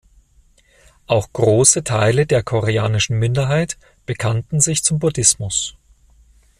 Auch große Teile der koreanischen Minderheit bekannten sich zum Buddhismus.